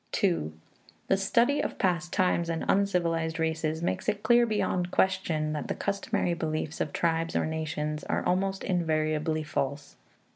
II The study of past times and uncivilized races makes it clear beyond question that the customary beliefs of tribes or nations are almost invariably false.